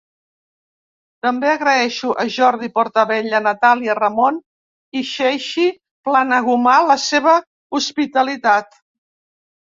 També agraeixo a Jordi Portabella, Natàlia Ramon i Xeixi Planagumà la seva hospitalitat.